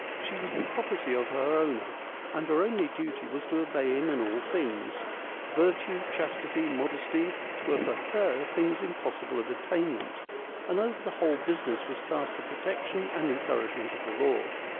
She was the property of her owner, and her only duty was to obey him in all things : virtue, chastity, modesty, were for her things impossible of attainment ; and over the whole business was cast the protection and en couragement of the law.